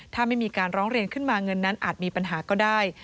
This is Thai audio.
ถ้าไม่มีการร้องเรียนขึ้นมาเงินนั้นอาจมีปัญหาก็ได้